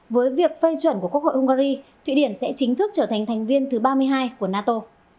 với việc phê chuẩn của quốc hội hungary thụy điển sẽ chính thức trở thành thành viên thứ ba mươi hai của nato